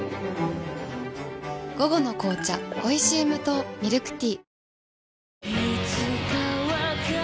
午後の紅茶おいしい無糖ミルクティー